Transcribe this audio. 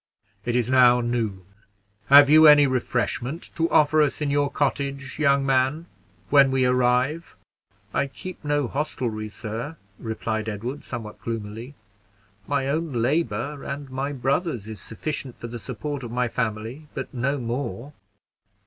It is now noon. Have you any refreshment to offer us in your cottage, young man, when we arrive?" "I keep no hostelry, sir," replied Edward, somewhat gloomily; "my own labor and my brother's is sufficient for the support of my own family, but no more."